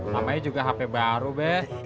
namanya juga hp baru deh